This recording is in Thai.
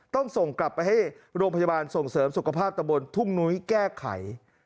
ต้องส่งกลับไปให้โรงพยาบาลส่งเสริมสุขภาพตะบนทุ่งนุ้ยแก้ไข